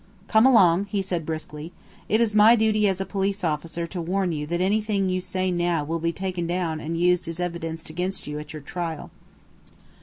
"Come along," he said briskly. "It is my duty as a police officer to warn you that anything you now say will be taken down and used as evidence against you at your trial."